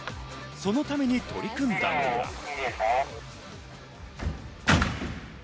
そのために取り組んだのが。